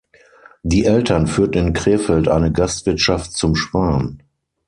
Die Eltern führten in Krefeld eine Gastwirtschaft „Zum Schwan“.